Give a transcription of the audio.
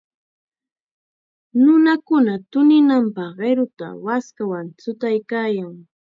Nunakuna tuninanpaq qiruta waskawan chutaykaayan.